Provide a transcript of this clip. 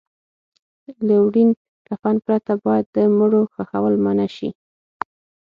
له وړین کفن پرته باید د مړو خښول منع شي.